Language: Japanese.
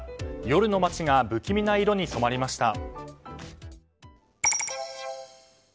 夜の街が不気味な色に染まりました。